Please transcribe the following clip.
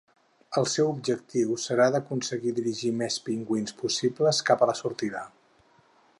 El seu objectiu serà d'aconseguir dirigir més pingüins possibles cap a la sortida.